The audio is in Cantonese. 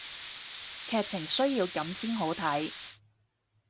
劇情需要噉先好睇